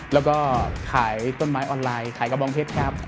แล้วก็ขายต้นไม้ออนไลน์ขายกระบองเพชรครับ